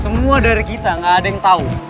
semua dari kita gak ada yang tahu